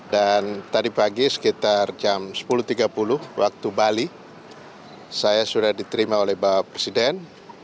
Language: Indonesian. dan tadi pagi sekitar jam sepuluh tiga puluh waktu bali saya sudah diterima oleh bapak presiden